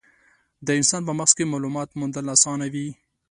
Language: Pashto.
د انسان په مغز کې مالومات موندل اسانه وي.